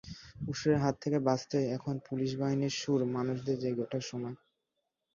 অসুরের হাত থেকে বাঁচতে এখন পুলিশ বাহিনীর সুর-মানুষদের জেগে ওঠার সময়।